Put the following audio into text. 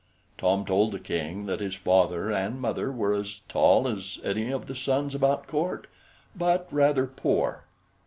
Tom told the King that his father and mother were as tall as any of the sons about court, but rather poor.